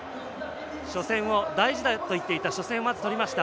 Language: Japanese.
初戦は大事だといっていた初戦をまず、取りました。